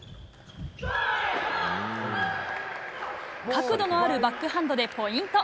角度のあるバックハンドでポイント。